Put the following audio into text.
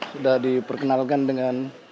sudah diperkenalkan dengan